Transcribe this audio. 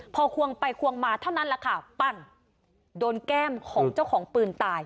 พอควงไปควงมาเท่านั้นแหละค่ะปั้งโดนแก้มของเจ้าของปืนตาย